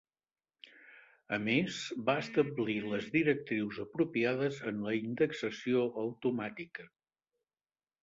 A més, va establir les directrius apropiades en la indexació automàtica.